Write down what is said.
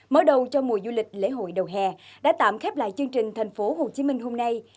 mở đầu cho mùa du lịch lễ hội đầu hè đã tạm khép lại chương trình thành phố hồ chí minh hôm nay